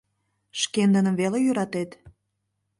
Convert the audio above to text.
— Шкендыным веле йӧратет?